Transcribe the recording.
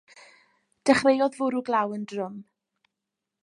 Dechreuodd fwrw glaw yn drwm.